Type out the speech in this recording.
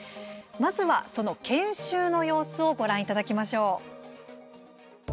まずは、その研修の様子をご覧いただきましょう。